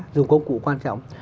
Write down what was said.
dùng công cụ quan trọng